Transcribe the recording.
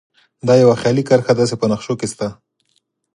دا یوه خیالي کرښه ده چې په نقشو کې شته